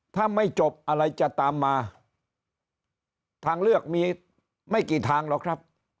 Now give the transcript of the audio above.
ถ้าไม่จบอะไรจะตามมาทางเลือกมีไม่กี่ทางหรอกครับ